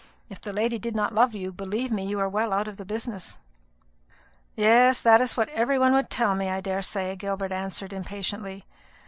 If the lady did not love you, believe me you are well out of the business." "Yes, that is what every one would tell me, I daresay," Gilbert answered impatiently.